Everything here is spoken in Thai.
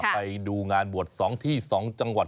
ไปดูงานบวช๒ที่๒จังหวัด